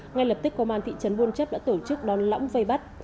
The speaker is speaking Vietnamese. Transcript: ngay lập tức công an thị trấn buôn chấp đã tổ chức đón lõng vây bắt